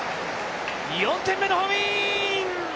４点目のホームイン。